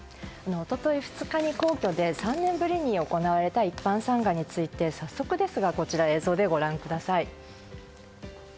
一昨日２日に皇居で３年ぶりに行われた一般参賀について、早速ですがこちらを映像でご覧ください。